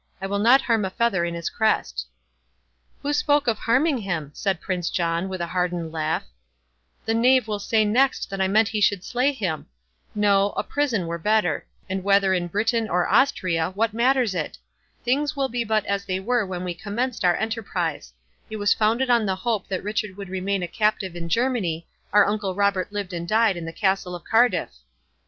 I will not harm a feather in his crest." "Who spoke of harming him?" said Prince John, with a hardened laugh; "the knave will say next that I meant he should slay him!—No—a prison were better; and whether in Britain or Austria, what matters it?—Things will be but as they were when we commenced our enterprise—It was founded on the hope that Richard would remain a captive in Germany—Our uncle Robert lived and died in the castle of Cardiffe."